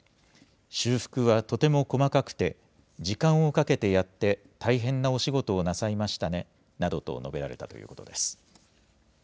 修復はとても細かくて、時間をかけてやって大変なお仕事をなさいましたねなどと述べられたということです。